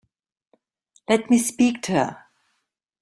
Let me speak to her.